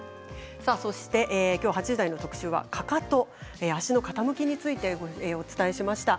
きょう８時台の特集は、かかと足の傾きについてお伝えしました。